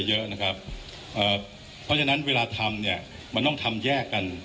เพราะฉะนั้นเวลาทำเนี่ยมันต้องทำแยกกัน